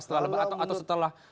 setelah lebaran atau setelah